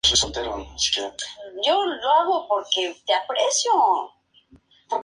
Allí Celeste está a punto de perder su virginidad e incluso su vida.